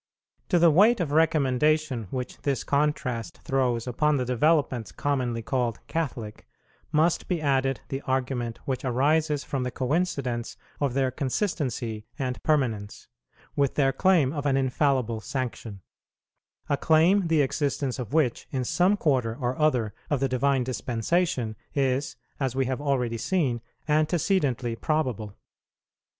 To the weight of recommendation which this contrast throws upon the developments commonly called Catholic, must be added the argument which arises from the coincidence of their consistency and permanence, with their claim of an infallible sanction, a claim, the existence of which, in some quarter or other of the Divine Dispensation, is, as we have already seen, antecedently probable.